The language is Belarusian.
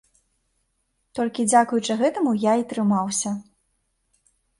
Толькі дзякуючы гэтаму я і трымаўся.